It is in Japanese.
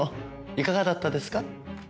いかがだったですか？